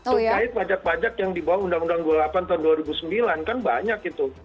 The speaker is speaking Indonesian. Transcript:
terkait pajak pajak yang dibawa undang undang dua puluh delapan tahun dua ribu sembilan kan banyak itu